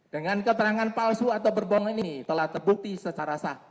dengan keterangan palsu atau berbohong ini telah terbukti secara sah